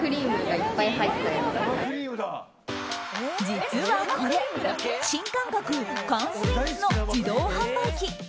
実はこれ新感覚、缶スイーツの自動販売機。